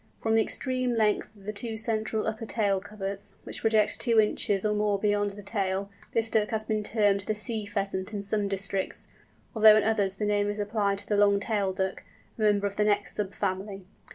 From the extreme length of the two central upper tail coverts, which project two inches or more beyond the tail, this Duck has been termed the "Sea Pheasant" in some districts, although in others the name is applied to the Long tailed Duck—a member of the next sub family.